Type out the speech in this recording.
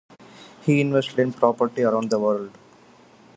He invested in property around the world.